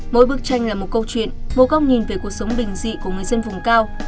mỗi bức tranh là một câu chuyện một góc nhìn về cuộc sống bình dị của người dân vùng cao